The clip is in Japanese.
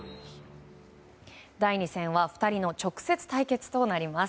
第２戦は２人の直接対決となります。